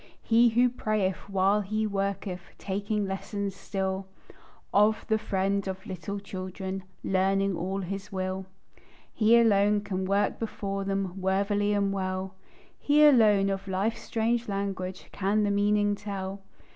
He who prayeth while he worketh, Taking lessons still Of the Friend of little children, Learning all His will; He alone can walk before them Worthily and well; He alone of life's strange language Can the meaning tell.